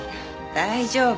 大丈夫。